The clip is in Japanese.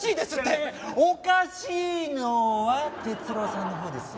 おかしいのは哲郎さんのほうですよ。